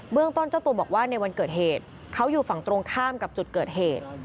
เมืองต้นเจ้าตัวบอกว่าในวันเกิดเหตุเขาอยู่ฝั่งตรงข้ามกับจุดเกิดเหตุ